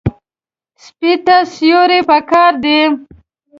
سپي ته سیوري پکار دی.